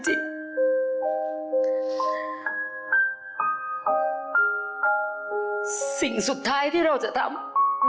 สิ่งสุดท้ายที่เราจะทำ